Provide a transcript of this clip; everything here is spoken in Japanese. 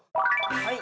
はい。